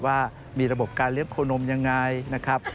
ว่ามีระบบการเลี้ยงโคนมยังไงนะครับ